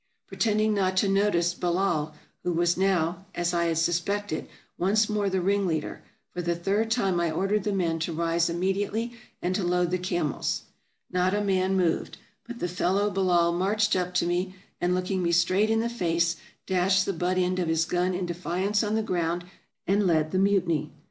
Pretending not to notice Bellaal, who was now, as I had suspected, once more the ringleader, for the third time I ordered the men to rise immediately, and to load the camels. Not a man moved, but the fellow Bellaal marched up to me, and looking me straight in the face dashed the butt end of his gun in defiance on the ground, and led the mutiny.